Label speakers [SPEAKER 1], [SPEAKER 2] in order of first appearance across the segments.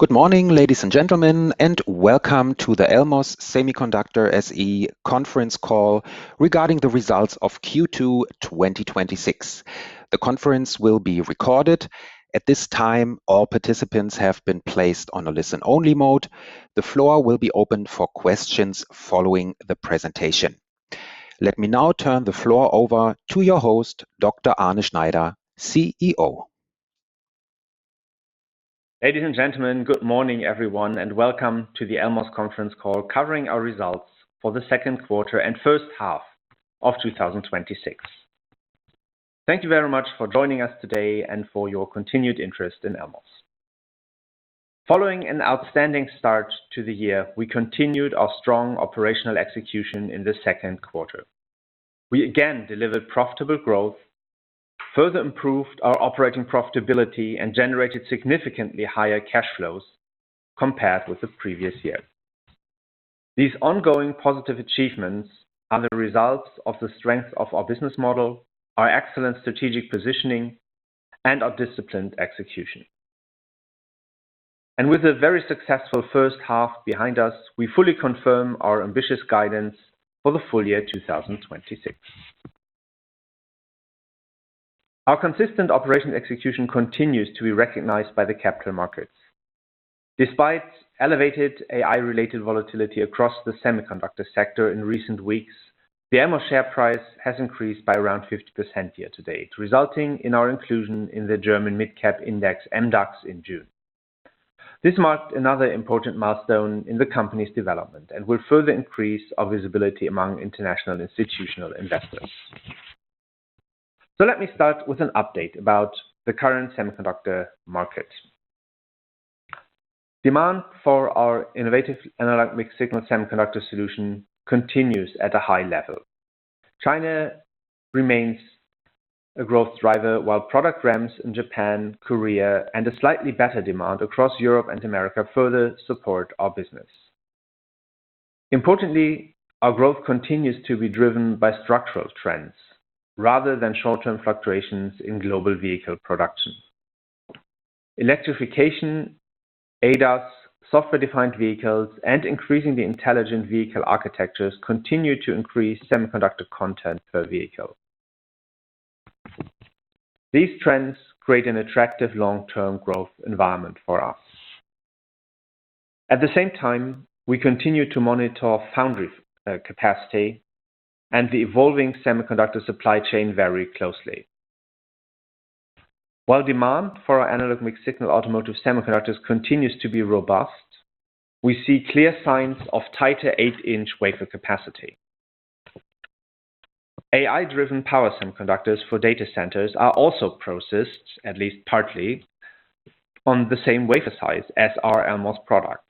[SPEAKER 1] Good morning, ladies and gentlemen, and welcome to the Elmos Semiconductor SE conference call regarding the results of Q2 2026. The conference will be recorded. At this time, all participants have been placed on a listen-only mode. The floor will be open for questions following the presentation. Let me now turn the floor over to your host, Dr. Arne Schneider, CEO.
[SPEAKER 2] Ladies and gentlemen, good morning, everyone, and welcome to the Elmos conference call, covering our results for the second quarter and first half of 2026. Thank you very much for joining us today and for your continued interest in Elmos. Following an outstanding start to the year, we continued our strong operational execution in the second quarter. We again delivered profitable growth, further improved our operating profitability, and generated significantly higher cash flows compared with the previous year. These ongoing positive achievements are the results of the strength of our business model, our excellent strategic positioning, and our disciplined execution. With a very successful first half behind us, we fully confirm our ambitious guidance for the full-year 2026. Our consistent operations execution continues to be recognized by the capital markets. Despite elevated AI-related volatility across the semiconductor sector in recent weeks, the Elmos share price has increased by around 50% year-to-date, resulting in our inclusion in the German mid-cap index MDAX in June. This marked another important milestone in the company's development and will further increase our visibility among international institutional investors. Let me start with an update about the current semiconductor market. Demand for our innovative analog mixed-signal semiconductor solution continues at a high level. China remains a growth driver, while product ramps in Japan, Korea, and a slightly better demand across Europe and America further support our business. Importantly, our growth continues to be driven by structural trends rather than short-term fluctuations in global vehicle production. Electrification, ADAS, software-defined vehicles, and increasingly intelligent vehicle architectures continue to increase semiconductor content per vehicle. These trends create an attractive long-term growth environment for us. At the same time, we continue to monitor foundry capacity and the evolving semiconductor supply chain very closely. While demand for our analog mixed-signal automotive semiconductors continues to be robust, we see clear signs of tighter 8 in wafer capacity. AI-driven power semiconductors for data centers are also processed, at least partly, on the same wafer size as our Elmos products.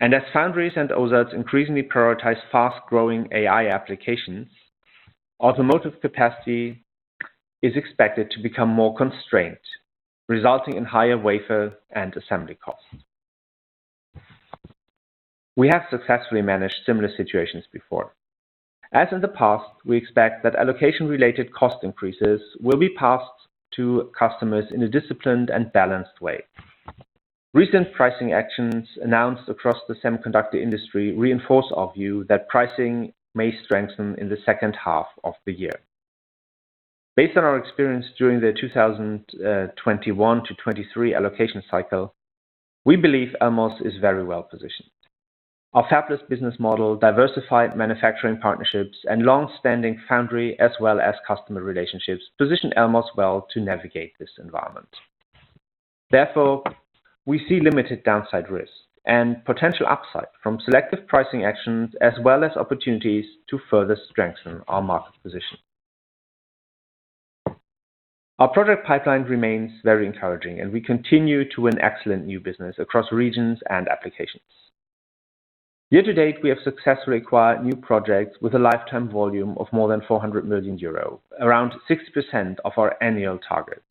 [SPEAKER 2] As foundries and OSATs increasingly prioritize fast-growing AI applications, automotive capacity is expected to become more constrained, resulting in higher wafer and assembly costs. We have successfully managed similar situations before. As in the past, we expect that allocation-related cost increases will be passed to customers in a disciplined and balanced way. Recent pricing actions announced across the semiconductor industry reinforce our view that pricing may strengthen in the second half of the year. Based on our experience during the 2021-2023 allocation cycle, we believe Elmos is very well-positioned. Our fabless business model, diversified manufacturing partnerships, and long-standing foundry, as well as customer relationships, position Elmos well to navigate this environment. Therefore, we see limited downside risk and potential upside from selective pricing actions, as well as opportunities to further strengthen our market position. Our project pipeline remains very encouraging, and we continue to win excellent new business across regions and applications. Year-to-date, we have successfully acquired new projects with a lifetime volume of more than 400 million euro, around 6% of our annual targets.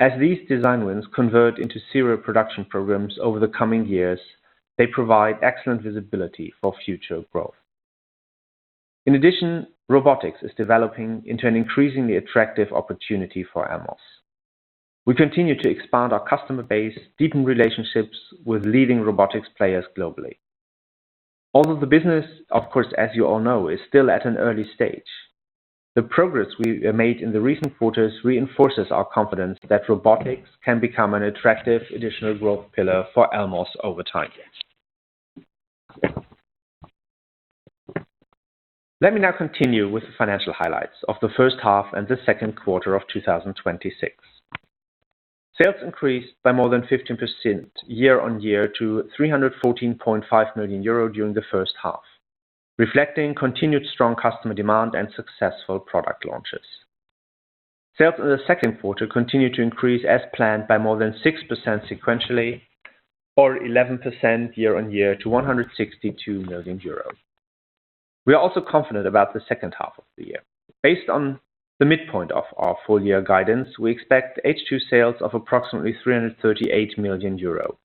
[SPEAKER 2] As these design wins convert into serial production programs over the coming years, they provide excellent visibility for future growth. In addition, robotics is developing into an increasingly attractive opportunity for Elmos. We continue to expand our customer base, deepen relationships with leading robotics players globally. Although the business, of course, as you all know, is still at an early stage, the progress we made in the recent quarters reinforces our confidence that robotics can become an attractive additional growth pillar for Elmos over time. Let me now continue with the financial highlights of the first half and the second quarter of 2026. Sales increased by more than 15% year-on-year to 314.5 million euro during the first half, reflecting continued strong customer demand and successful product launches. Sales in the second quarter continued to increase as planned by more than 6% sequentially or 11% year-on-year to 162 million euros. We are also confident about the second half of the year. Based on the midpoint of our full-year guidance, we expect H2 sales of approximately 338 million euro.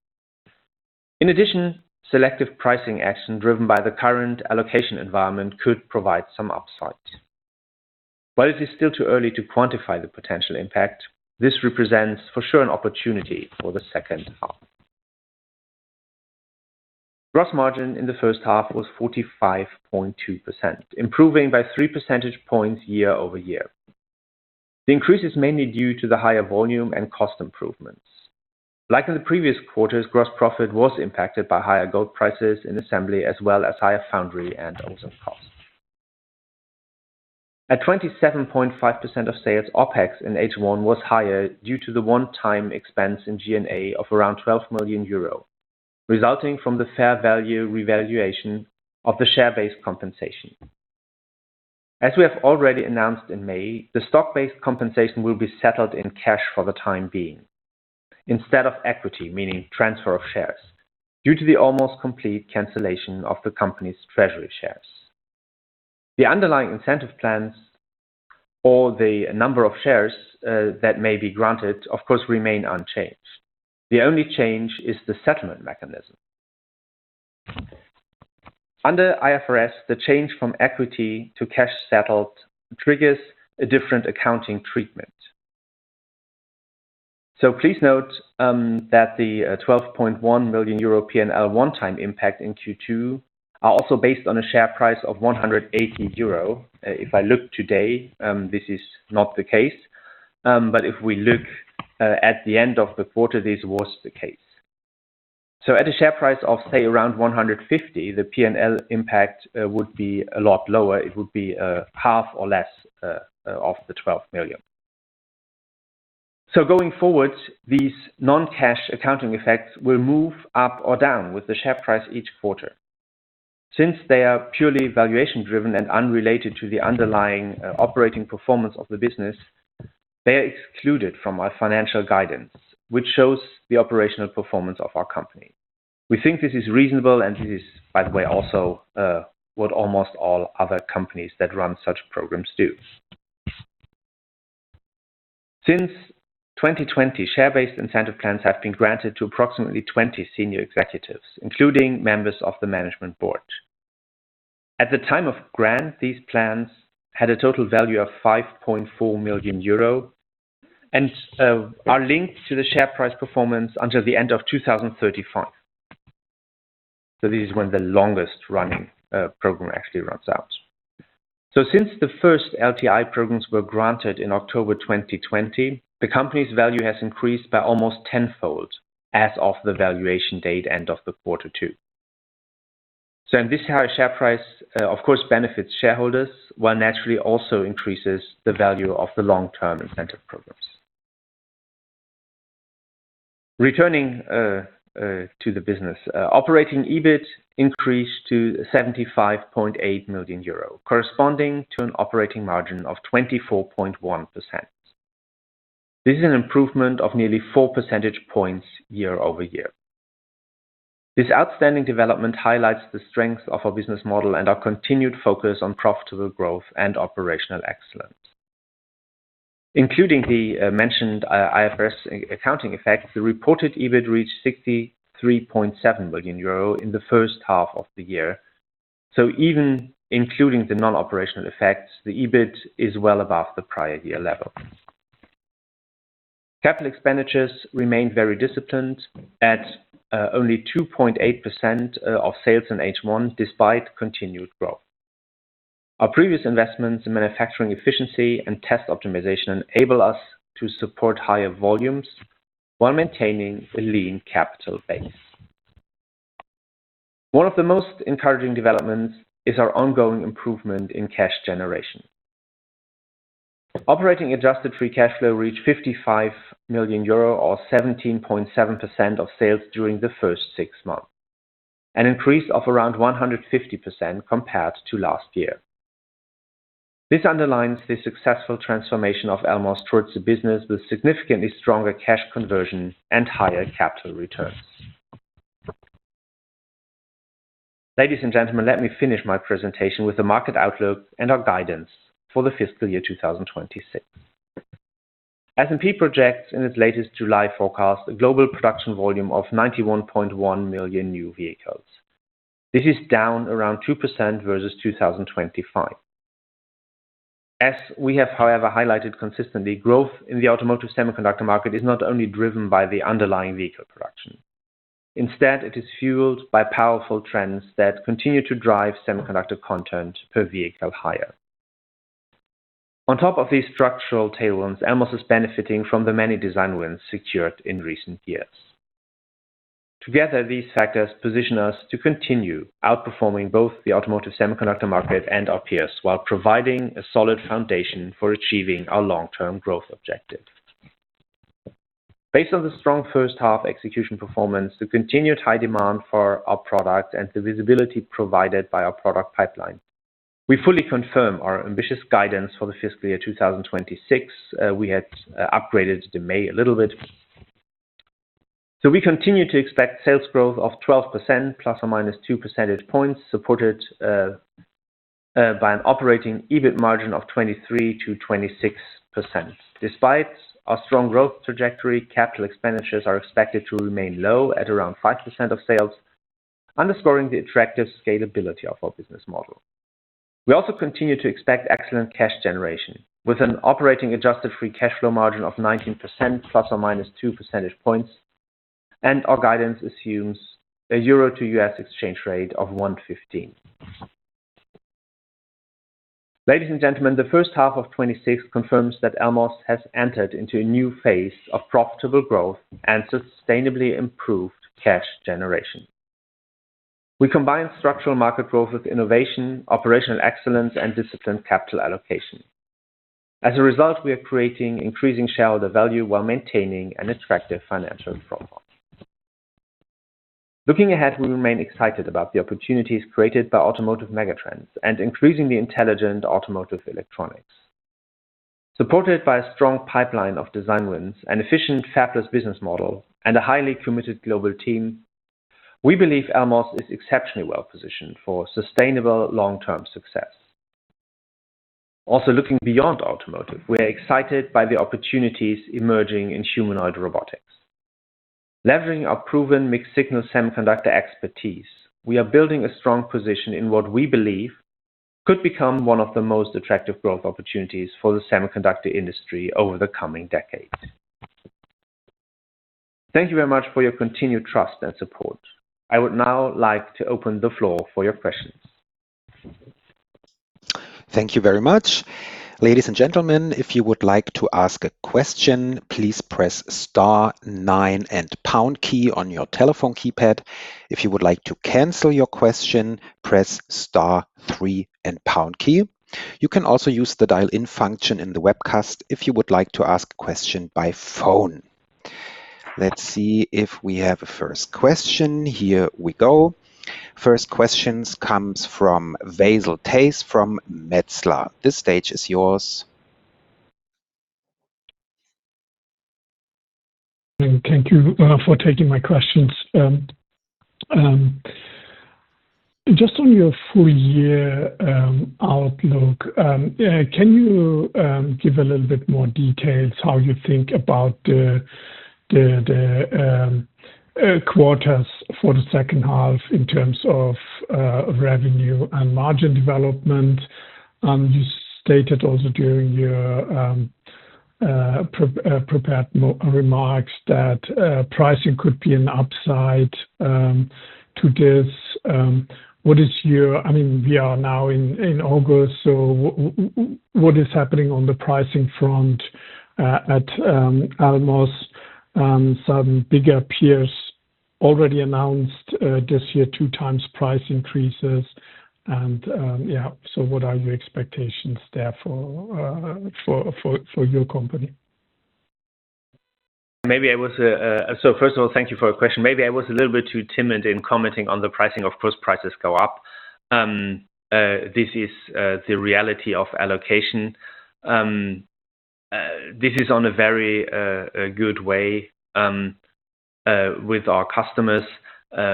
[SPEAKER 2] In addition, selective pricing action driven by the current allocation environment could provide some upside. While it is still too early to quantify the potential impact, this represents for sure an opportunity for the second half. Gross margin in the first half was 45.2%, improving by 3 percentage points year-over-year. The increase is mainly due to the higher volume and cost improvements. Like in the previous quarters, gross profit was impacted by higher gold prices in assembly as well as higher foundry and OSAT costs. At 27.5% of sales, OpEx in H1 was higher due to the one-time expense in G&A of around 12 million euro, resulting from the fair value revaluation of the share-based compensation. As we have already announced in May, the stock-based compensation will be settled in cash for the time being instead of equity, meaning transfer of shares, due to the almost complete cancellation of the company's treasury shares. The underlying incentive plans or the number of shares that may be granted of course remain unchanged. The only change is the settlement mechanism. Under IFRS, the change from equity to cash settled triggers a different accounting treatment. Please note that the 12.1 million euro P&L one-time impact in Q2 are also based on a share price of 118 euro. If I look today, this is not the case, but if we look at the end of the quarter, this was the case. At a share price of, say, around 150, the P&L impact would be a lot lower. It would be half or less of the 12 million. Going forward, these non-cash accounting effects will move up or down with the share price each quarter. Since they are purely valuation driven and unrelated to the underlying operating performance of the business, they are excluded from our financial guidance, which shows the operational performance of our company. We think this is reasonable, and this is, by the way, also what almost all other companies that run such programs do. Since 2020, share-based incentive plans have been granted to approximately 20 senior executives, including members of the management board. At the time of grant, these plans had a total value of 5.4 million euro and are linked to the share price performance until the end of 2035. This is when the longest-running program actually runs out. Since the first LTI programs were granted in October 2020, the company's value has increased by almost tenfold as of the valuation date end of the quarter two. This higher share price of course benefits shareholders, while naturally also increases the value of the long-term incentive programs. Returning to the business. Operating EBIT increased to 75.8 million euro, corresponding to an operating margin of 24.1%. This is an improvement of nearly 4 percentage points year-over-year. This outstanding development highlights the strength of our business model and our continued focus on profitable growth and operational excellence. Including the mentioned IFRS accounting effect, the reported EBIT reached 63.7 million euro in the first half of the year. Even including the non-operational effects, the EBIT is well above the prior year level. Capital expenditures remained very disciplined at only 2.8% of sales in H1 despite continued growth. Our previous investments in manufacturing efficiency and test optimization enable us to support higher volumes while maintaining a lean capital base. One of the most encouraging developments is our ongoing improvement in cash generation. Operating adjusted free cash flow reached 55 million euro or 17.7% of sales during the first six months, an increase of around 150% compared to last year. This underlines the successful transformation of Elmos towards a business with significantly stronger cash conversion and higher capital returns. Ladies and gentlemen, let me finish my presentation with the market outlook and our guidance for the fiscal year 2026. S&P projects in its latest July forecast a global production volume of 91.1 million new vehicles. This is down around 2% versus 2025. As we have, however, highlighted consistently, growth in the automotive semiconductor market is not only driven by the underlying vehicle production. Instead, it is fueled by powerful trends that continue to drive semiconductor content per vehicle higher. On top of these structural tailwinds, Elmos is benefiting from the many design wins secured in recent years. Together, these factors position us to continue outperforming both the automotive semiconductor market and our peers while providing a solid foundation for achieving our long-term growth objective. Based on the strong first half execution performance, the continued high demand for our product, and the visibility provided by our product pipeline, we fully confirm our ambitious guidance for the fiscal year 2026. We had upgraded it in May a little bit. We continue to expect sales growth of 12%, ±2 percentage points, supported by an operating EBIT margin of 23%-26%. Despite our strong growth trajectory, capital expenditures are expected to remain low at around 5% of sales, underscoring the attractive scalability of our business model. We also continue to expect excellent cash generation with an operating adjusted free cash flow margin of 19%, ±2 percentage points, and our guidance assumes a EUR to USD exchange rate of 1.15. Ladies and gentlemen, the first half of 2026 confirms that Elmos has entered into a new phase of profitable growth and sustainably improved cash generation. We combine structural market growth with innovation, operational excellence, and disciplined capital allocation. As a result, we are creating increasing shareholder value while maintaining an attractive financial profile. Looking ahead, we remain excited about the opportunities created by automotive megatrends and increasingly intelligent automotive electronics. Supported by a strong pipeline of design wins and efficient fabless business model, and a highly committed global team, we believe Elmos is exceptionally well-positioned for sustainable long-term success. Also looking beyond automotive, we are excited by the opportunities emerging in humanoid robotics. Leveraging our proven mixed signal semiconductor expertise, we are building a strong position in what we believe could become one of the most attractive growth opportunities for the semiconductor industry over the coming decade. Thank you very much for your continued trust and support. I would now like to open the floor for your questions.
[SPEAKER 1] Thank you very much. Ladies and gentlemen, if you would like to ask a question, please press star nine and pound key on your telephone keypad. If you would like to cancel your question, press star three and pound key. You can also use the dial-in function in the webcast if you would like to ask a question by phone. Let's see if we have a first question. Here we go, first questions comes from Veysel Taze from Metzler. The stage is yours.
[SPEAKER 3] Thank you for taking my questions. Just on your full-year outlook, can you give a little bit more details how you think about the quarters for the second half in terms of revenue and margin development? You stated also during your prepared remarks that pricing could be an upside to this. We are now in August. What is happening on the pricing front at Elmos? Some bigger peers already announced this year two times price increases and, yeah, what are your expectations there for your company?
[SPEAKER 2] First of all, thank you for your question. Maybe I was a little bit too timid in commenting on the pricing. Of course, prices go up. This is the reality of allocation. This is on a very good way with our customers.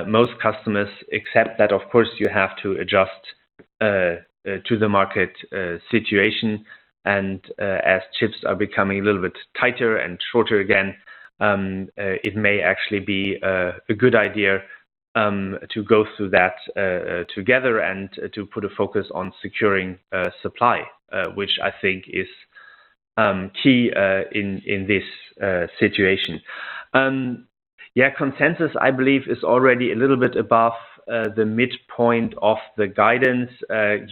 [SPEAKER 2] Most customers accept that, of course, you have to adjust to the market situation. As chips are becoming a little bit tighter and shorter again, it may actually be a good idea to go through that together and to put a focus on securing supply, which I think is key in this situation. Consensus, I believe is already a little bit above the midpoint of the guidance. The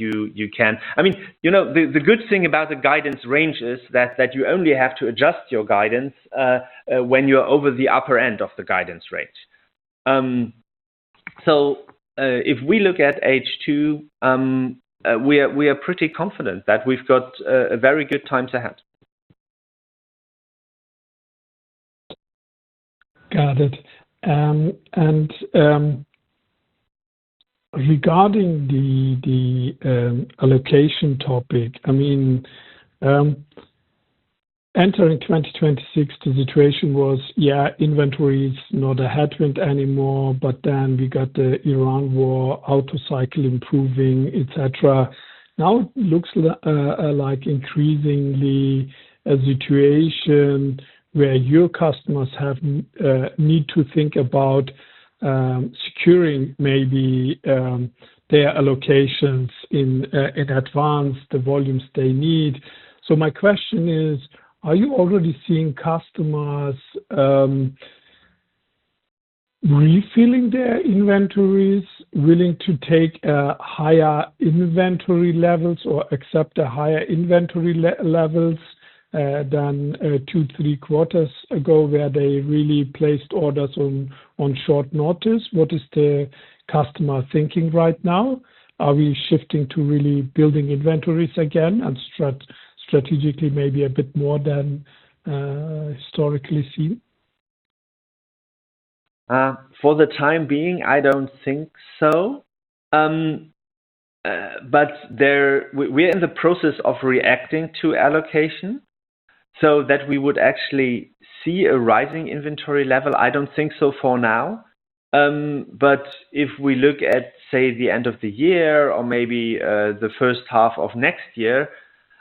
[SPEAKER 2] good thing about the guidance range is that you only have to adjust your guidance when you are over the upper end of the guidance range. If we look at H2, we are pretty confident that we've got a very good time to have.
[SPEAKER 3] Got it. Regarding the allocation topic, entering 2026, the situation was, inventory is not a headwind anymore, we got the Iran war, auto cycle improving, etc. Now it looks like increasingly a situation where your customers need to think about securing maybe their allocations in advance, the volumes they need. My question is, are you already seeing customers refilling their inventories, willing to take higher inventory levels or accept higher inventory levels than two, three quarters ago where they really placed orders on short notice? What is the customer thinking right now? Are we shifting to really building inventories again and strategically maybe a bit more than historically seen?
[SPEAKER 2] For the time being, I don't think so. We are in the process of reacting to allocation. That we would actually see a rising inventory level? I don't think so for now. If we look at, say, the end of the year or maybe the first half of next year,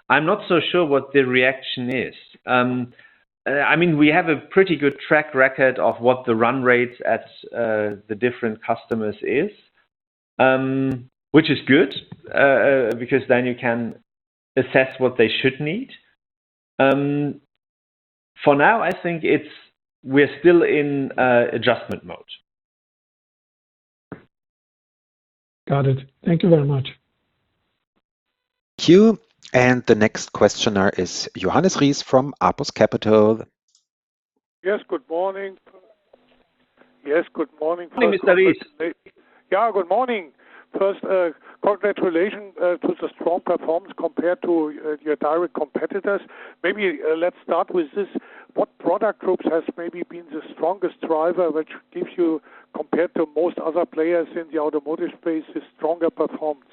[SPEAKER 2] I'm not so sure what the reaction is. We have a pretty good track record of what the run rates at the different customers is, which is good, because then you can assess what they should need. For now, I think we're still in adjustment mode.
[SPEAKER 3] Got it. Thank you very much.
[SPEAKER 1] Thank you. The next questioner is Johannes Ries from Apus Capital.
[SPEAKER 4] Yes, good morning.
[SPEAKER 2] Good morning, Mr. Ries.
[SPEAKER 4] Yeah, good morning. First, congratulations to the strong performance compared to your direct competitors. Maybe let's start with this. What product groups has maybe been the strongest driver, which gives you, compared to most other players in the automotive space, a stronger performance?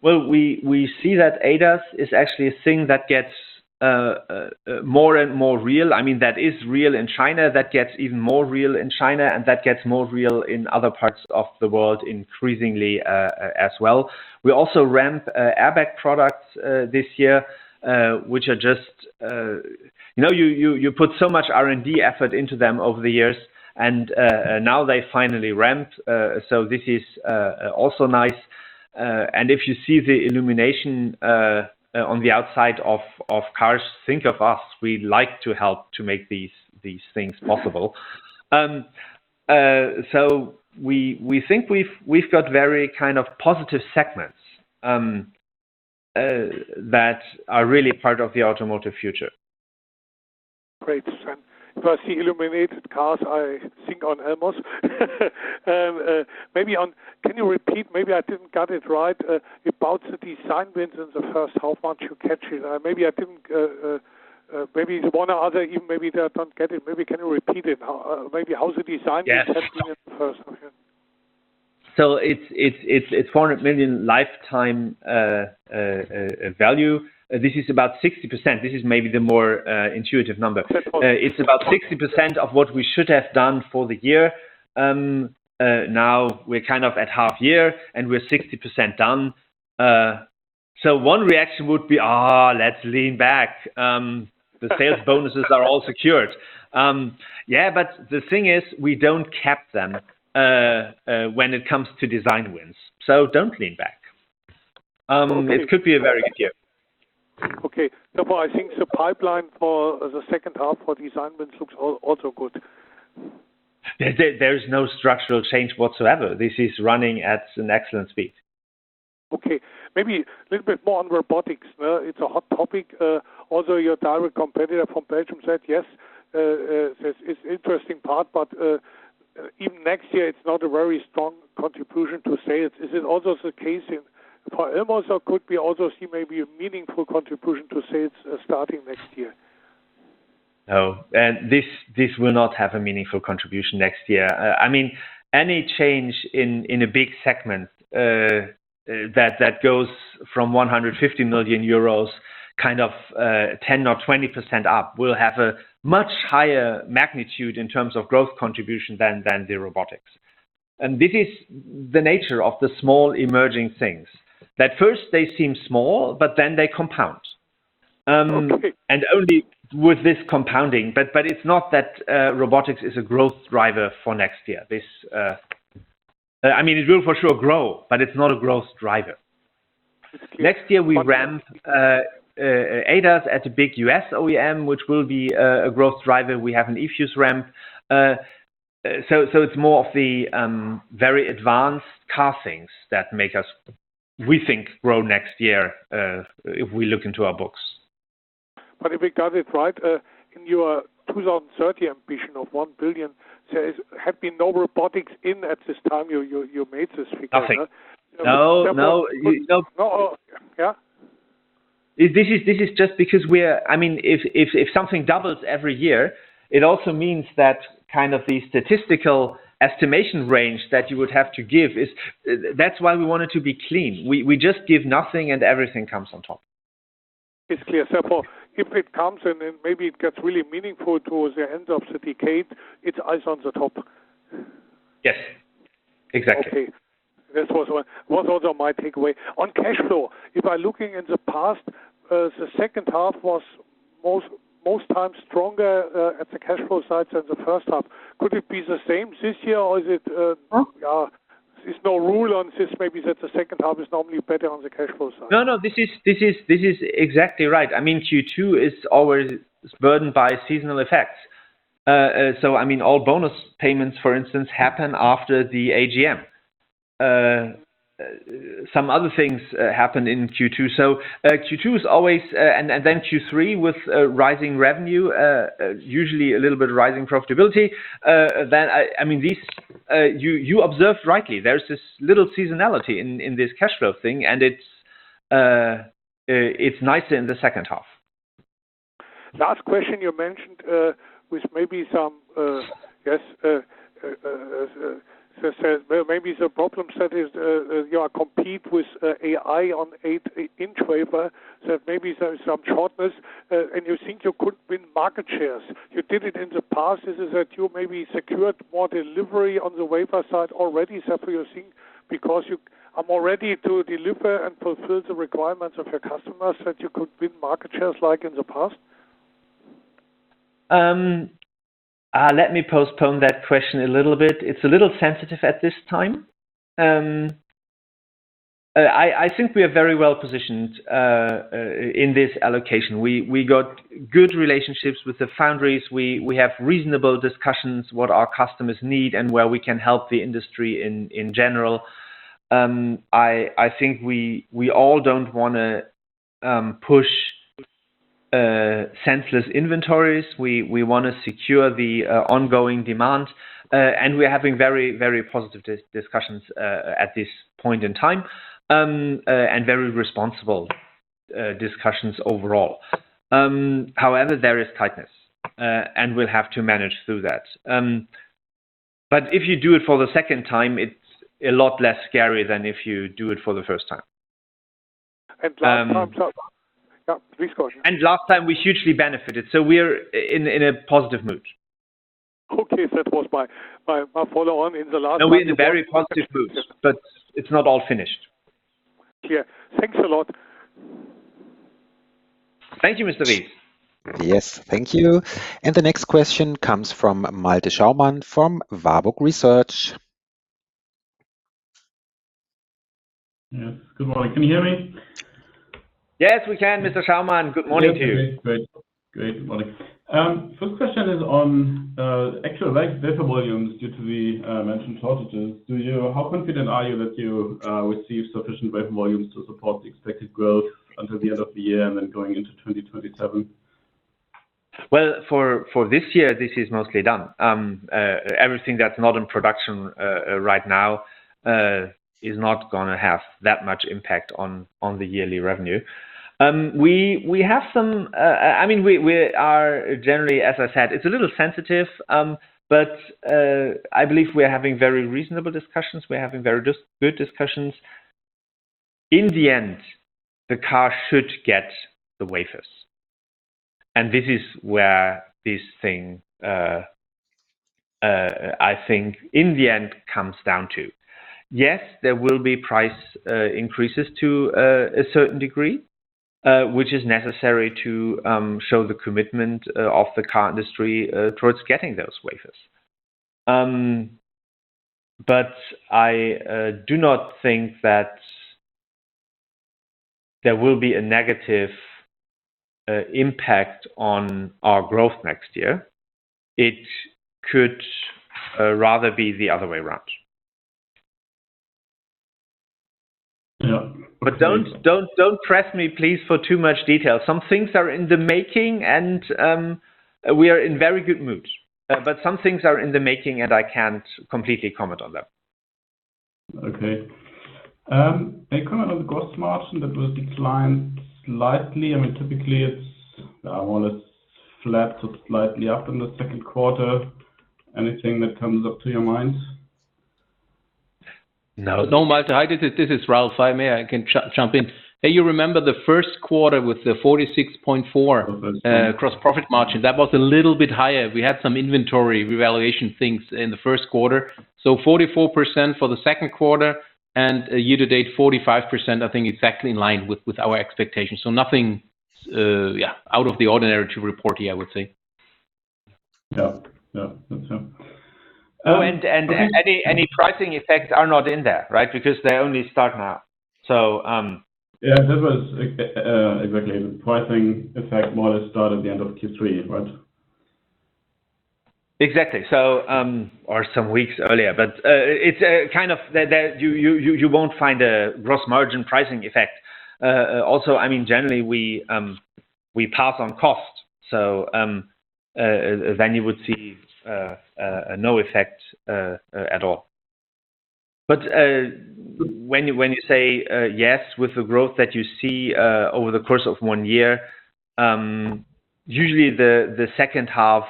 [SPEAKER 2] Well, we see that ADAS is actually a thing that gets more and more real. That is real in China, that gets even more real in China, and that gets more real in other parts of the world increasingly, as well. We also ramped airbag products this year. You put so much R&D effort into them over the years, and now they finally ramped. This is also nice. If you see the illumination on the outside of cars, think of us. We like to help to make these things possible. We think we've got very positive segments that are really part of the automotive future.
[SPEAKER 4] Great. When I see illuminated cars, I think on Elmos. Can you repeat, maybe I didn't get it right, about the design wins in the first half, how much you captured? Maybe one or other even, maybe they don't get it. Maybe can you repeat it? Maybe how the design wins captured in the first half?
[SPEAKER 2] Yes, it's 400 million lifetime value. This is about 60%. This is maybe the more intuitive number.
[SPEAKER 4] Okay.
[SPEAKER 2] It's about 60% of what we should have done for the year. Now we're at half-year, and we're 60% done. One reaction would be, "Let's lean back. The sales bonuses are all secured." The thing is, we don't cap them when it comes to design wins. Don't lean back. It could be a very good year.
[SPEAKER 4] I think the pipeline for the second half for design wins looks also good.
[SPEAKER 2] There is no structural change whatsoever. This is running at an excellent speed.
[SPEAKER 4] Okay. Maybe a little bit more on robotics, it's a hot topic. Your direct competitor from Belgium said, yes, it's interesting part, but even next year, it's not a very strong contribution to sales. Is it also the case for Elmos, or could we also see maybe a meaningful contribution to sales starting next year?
[SPEAKER 2] No. This will not have a meaningful contribution next year. Any change in a big segment that goes from 150 million euros kind of 10% or 20% up will have a much higher magnitude in terms of growth contribution than the robotics. This is the nature of the small emerging things, that first they seem small, but then they compound.
[SPEAKER 4] Okay.
[SPEAKER 2] Only with this compounding. It's not that robotics is a growth driver for next year. It will for sure grow, but it's not a growth driver. Next year, we ramp ADAS at a big U.S. OEM, which will be a growth driver. We have an eFuse ramp. It's more of the very advanced car things that make us, we think, grow next year, if we look into our books.
[SPEAKER 4] If we got it right, in your 2030 ambition of 1 billion, there have been no robotics in at this time you made this figure, yeah?
[SPEAKER 2] No. This is just because if something doubles every year, it also means that the statistical estimation range that you would have to give. That's why we want it to be clean. We just give nothing and everything comes on top.
[SPEAKER 4] It's clear. If it comes and then maybe it gets really meaningful towards the end of the decade, it's ice on the top.
[SPEAKER 2] Yes. Exactly.
[SPEAKER 4] Okay. That was also my takeaway. On cash flow, if I look in the past, the second half was most times stronger at the cash flow side than the first half. Could it be the same this year, or there's no rule on this, maybe that the second half is normally better on the cash flow side?
[SPEAKER 2] No, this is exactly right. Q2 is always burdened by seasonal effects. All bonus payments, for instance, happen after the AGM. Some other things happen in Q2. Q2 is always. Then Q3 with rising revenue, usually a little bit of rising profitability. You observed rightly, there's this little seasonality in this cash flow thing, and it's nicer in the second half.
[SPEAKER 4] Last question you mentioned was maybe some, maybe the problem set is you compete with AI on 8 in wafer. Maybe there is some shortness. You think you could win market shares. You did it in the past, is it that you maybe secured more delivery on the wafer side already, is that what you think? Because you are more ready to deliver and fulfill the requirements of your customers, that you could win market shares like in the past?
[SPEAKER 2] Let me postpone that question a little bit. It's a little sensitive at this time. I think we are very well-positioned in this allocation. We got good relationships with the foundries. We have reasonable discussions what our customers need and where we can help the industry in general. I think we all don't want to push senseless inventories. We want to secure the ongoing demand. We're having very positive discussions at this point in time, and very responsible discussions overall. However, there is tightness. We'll have to manage through that. If you do it for the second time, it's a lot less scary than if you do it for the first time.
[SPEAKER 4] Last time. Yeah, please go on.
[SPEAKER 2] Last time we hugely benefited, we're in a positive mood.
[SPEAKER 4] Okay. That was my follow-on in the last-
[SPEAKER 2] No, we're in a very positive mood. It's not all finished.
[SPEAKER 4] Clear. Thanks a lot.
[SPEAKER 2] Thank you, Mr. Ries.
[SPEAKER 1] Yes, thank you. The next question comes from Malte Schaumann from Warburg Research.
[SPEAKER 5] Yes. Good morning. Can you hear me?
[SPEAKER 2] Yes, we can, Mr. Schaumann. Good morning to you.
[SPEAKER 5] Great. Good morning. First question is on actual wafer volumes due to the mentioned shortages. How confident are you that you will receive sufficient wafer volumes to support the expected growth until the end of the year and then going into 2027?
[SPEAKER 2] Well, for this year, this is mostly done. Everything that's not in production right now is not going to have that much impact on the yearly revenue. We are generally, as I said, it's a little sensitive, but I believe we're having very reasonable discussions. We're having very good discussions. In the end, the car should get the wafers. This is where this thing, I think in the end, comes down to. Yes, there will be price increases to a certain degree, which is necessary to show the commitment of the car industry towards getting those wafers. I do not think that there will be a negative impact on our growth next year. It could rather be the other way around.
[SPEAKER 5] Yeah.
[SPEAKER 2] Don't press me, please, for too much detail. Some things are in the making, and we are in very good mood. Some things are in the making, and I can't completely comment on them.
[SPEAKER 5] Okay. A comment on the gross margin that will decline slightly. Typically, it's flat to slightly up in the second quarter. Anything that comes up to your mind?
[SPEAKER 6] No, Malte. This is Ralf. I can jump in. You remember the first quarter with the 46.4% gross profit margin. That was a little bit higher. We had some inventory revaluation things in the first quarter. 44% for the second quarter, and year-to-date, 45%, I think exactly in line with our expectations. Nothing out of the ordinary to report here, I would say.
[SPEAKER 5] Yeah. That's it.
[SPEAKER 6] Yeah, and any pricing effects are not in there, right? Because they only start now.
[SPEAKER 5] Yeah, that was exactly the pricing effect model started the end of Q3, right?
[SPEAKER 6] Exactly. Some weeks earlier, but you won't find a gross margin pricing effect. Also, generally we pass on cost. Then you would see no effect at all. When you say yes with the growth that you see over the course of one year, usually the second half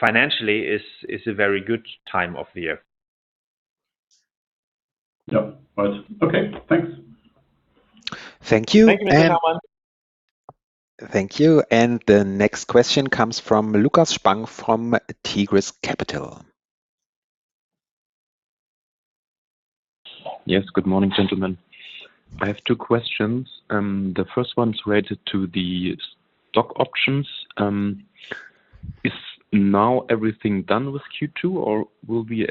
[SPEAKER 6] financially is a very good time of the year.
[SPEAKER 5] Yeah. Right. Okay, thanks.
[SPEAKER 1] Thank you.
[SPEAKER 2] Thank you, Mr. Schaumann.
[SPEAKER 1] Thank you. The next question comes from Lukas Spang from Tigris Capital.
[SPEAKER 7] Yes, good morning, gentlemen. I have two questions. The first one's related to the stock options. Is now everything done with Q2, or will we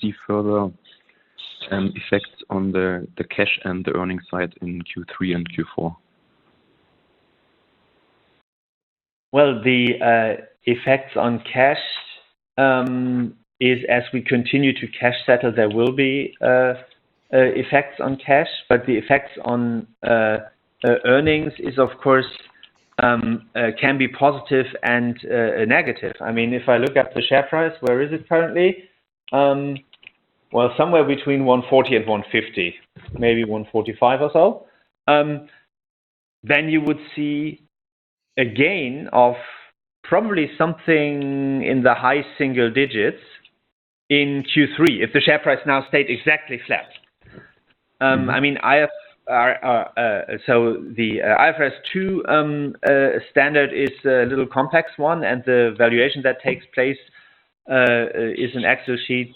[SPEAKER 7] see further effects on the cash and the earning side in Q3 and Q4?
[SPEAKER 2] Well, the effects on cash is as we continue to cash settle, there will be effects on cash, the effects on earnings is, of course, can be positive and negative. If I look at the share price, where is it currently? Well, somewhere between 140 and 150, maybe 145 or so. You would see a gain of probably something in the high single digits in Q3 if the share price now stayed exactly flat. The IFRS 2 standard is a little complex one, and the valuation that takes place is an Excel sheet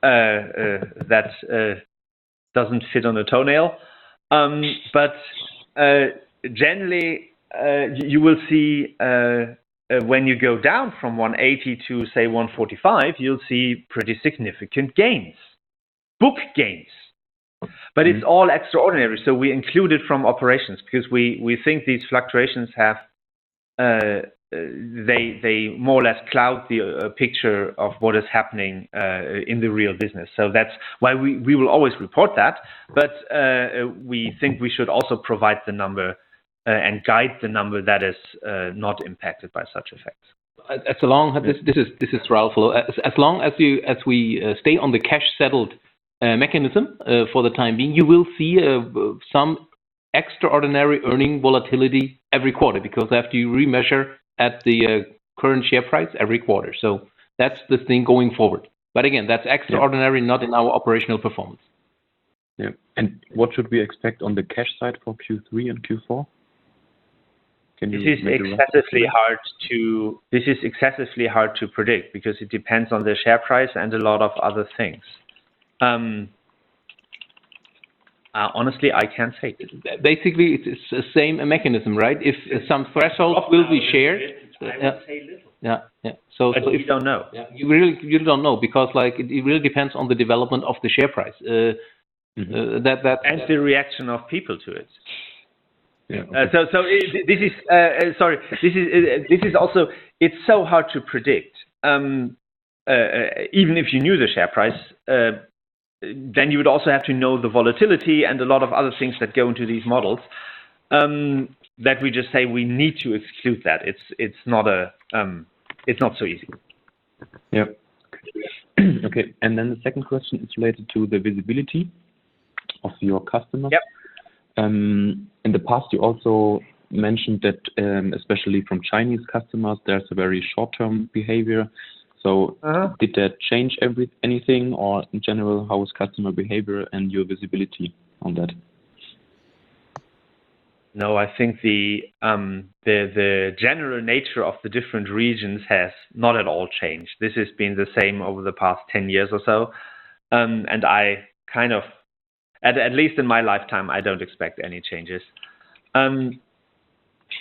[SPEAKER 2] that doesn't fit on a toenail. Generally, you will see when you go down from 180 to, say, 145, you'll see pretty significant gains, book gains. It is all extraordinary, we include it from operations because we think these fluctuations have, they more or less cloud the picture of what is happening in the real business. That is why we will always report that. We think we should also provide the number and guide the number that is not impacted by such effects.
[SPEAKER 6] This is Ralf. As long as we stay on the cash-settled mechanism for the time being, you will see some extraordinary earning volatility every quarter because you remeasure at the current share price every quarter. That is the thing going forward. Again, that is extraordinary, not in our operational performance.
[SPEAKER 7] Yeah. What should we expect on the cash side for Q3 and Q4? Can you maybe?
[SPEAKER 6] This is excessively hard to predict because it depends on the share price and a lot of other things. Honestly, I cannot say. Basically, it's the same mechanism, right? If some threshold will be shared-
[SPEAKER 7] Yeah.
[SPEAKER 2] You don't know.
[SPEAKER 6] You don't know, because it really depends on the development of the share price. That-
[SPEAKER 7] The reaction of people to it.
[SPEAKER 6] Sorry. It is so hard to predict. Even if you knew the share price, then you would also have to know the volatility and a lot of other things that go into these models, that we just say we need to exclude that. It is not so easy.
[SPEAKER 7] Yeah. Okay. Then the second question is related to the visibility of your customers.
[SPEAKER 2] Yep.
[SPEAKER 7] In the past, you also mentioned that, especially from Chinese customers, there is a very short-term behavior. Did that change anything, or in general, how is customer behavior and your visibility on that?
[SPEAKER 2] I think the general nature of the different regions has not at all changed. This has been the same over the past 10 years or so. At least in my lifetime, I don't expect any changes.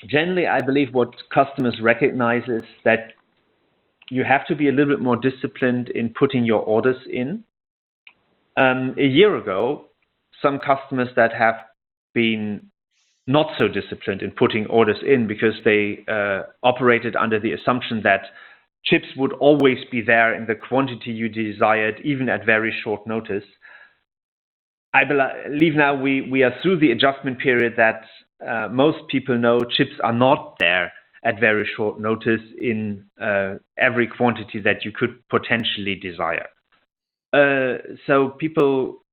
[SPEAKER 2] Generally, I believe what customers recognize is that you have to be a little bit more disciplined in putting your orders in. A year ago, some customers that have been not so disciplined in putting orders in because they operated under the assumption that chips would always be there in the quantity you desired, even at very short notice. I believe now we are through the adjustment period that most people know chips are not there at very short notice in every quantity that you could potentially desire. People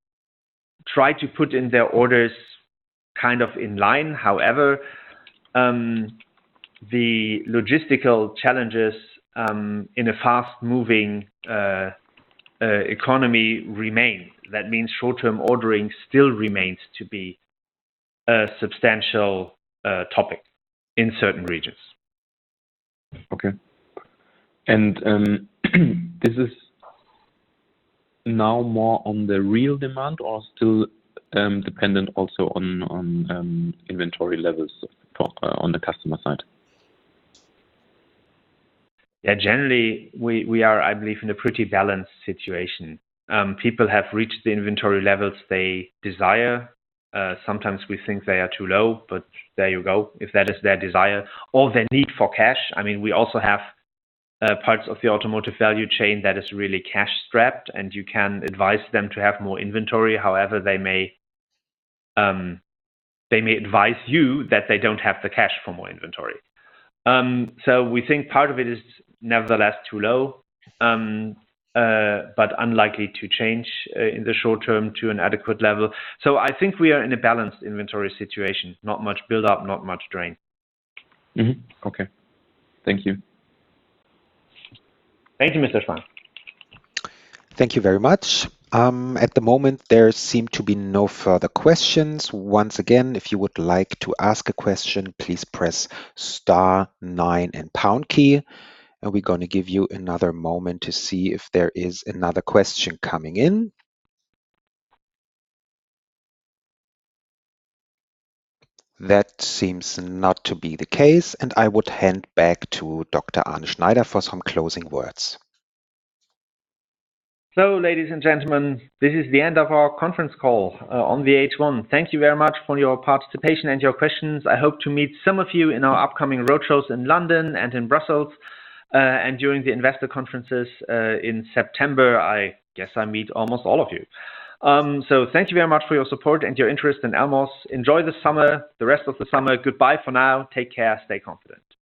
[SPEAKER 2] try to put in their orders in line. However, the logistical challenges in a fast-moving economy remain. That means short-term ordering still remains to be a substantial topic in certain regions.
[SPEAKER 7] Okay. This is now more on the real demand or still dependent also on inventory levels on the customer side?
[SPEAKER 2] Generally, we are, I believe, in a pretty balanced situation. People have reached the inventory levels they desire. Sometimes we think they are too low, but there you go, if that is their desire or their need for cash. We also have parts of the automotive value chain that is really cash-strapped, and you can advise them to have more inventory. However, they may advise you that they don't have the cash for more inventory. We think part of it is nevertheless too low, but unlikely to change in the short term to an adequate level. I think we are in a balanced inventory situation. Not much build-up, not much drain.
[SPEAKER 7] Okay. Thank you.
[SPEAKER 2] Thank you, Mr. Spang.
[SPEAKER 1] Thank you very much. At the moment, there seem to be no further questions. Once again, if you would like to ask a question, please press star nine and pound key. We're going to give you another moment to see if there is another question coming in. That seems not to be the case, and I would hand back to Dr. Arne Schneider for some closing words.
[SPEAKER 2] Ladies and gentlemen, this is the end of our conference call on the H1. Thank you very much for your participation and your questions. I hope to meet some of you in our upcoming road shows in London and in Brussels. During the investor conferences in September, I guess I'll meet almost all of you. Thank you very much for your support and your interest in Elmos. Enjoy the summer, the rest of the summer. Goodbye for now. Take care. Stay confident. Thank you.